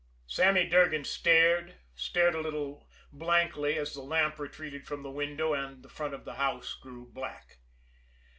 Sammy Durgan stared, stared a little blankly as the lamp retreated from the window and the front of the house grew black.